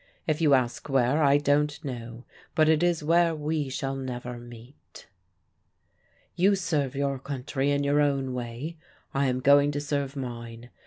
If you ask where, I don't know; but it is where we shall never meet. "You serve your country in your own way. I am going to serve mine.